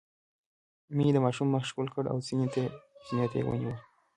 مينې د ماشوم مخ ښکل کړ او سينې ته يې ونيوه.